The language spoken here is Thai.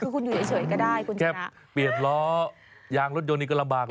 คุณอยู่เฉยก็ได้คุณเจ๊นั่แค่เปรียดหล่อยางรถยนต์นี้ก็ระบากนะ